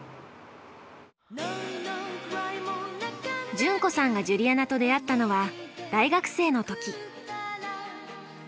純子さんがジュリアナと出会ったのは大学生の時。